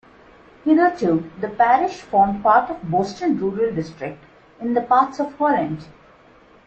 Hitherto, the parish formed part of Boston Rural District, in the Parts of Holland.